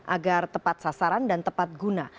agar tepat sasaran dan tepat guna